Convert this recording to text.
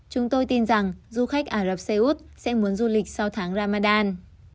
chúng tôi tin rằng du khách ả rập xê út sẽ muốn du lịch sau tháng ramadan